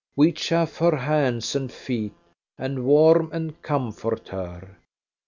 We chafe her hands and feet, and warm and comfort her.